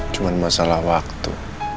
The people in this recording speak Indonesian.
cuman masalah waktu